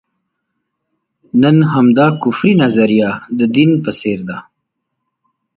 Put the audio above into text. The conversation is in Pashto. نن همدا کفري نظریه د دین په څېر ده.